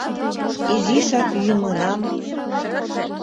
Изишак йӱмынам